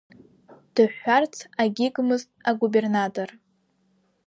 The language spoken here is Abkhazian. Дыҳәҳәарц агьигмызт агубернатор.